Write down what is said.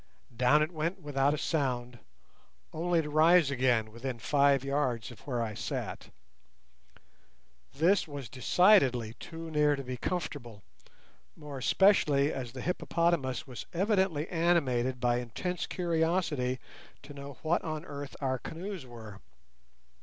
Down it went without a sound, only to rise again within five yards of where I sat. This was decidedly too near to be comfortable, more especially as the hippopotamus was evidently animated by intense curiosity to know what on earth our canoes were.